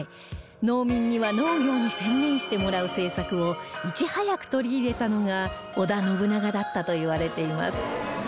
農民には農業に専念してもらう政策をいち早く取り入れたのが織田信長だったといわれています